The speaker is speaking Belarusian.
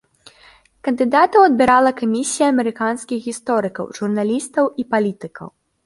Кандыдатаў адбірала камісія амерыканскіх гісторыкаў, журналістаў і палітыкаў.